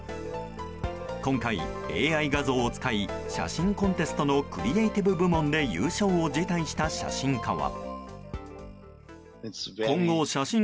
今回、ＡＩ画像を使い写真コンテストのクリエーティブ部門で優勝を辞退した写真家は。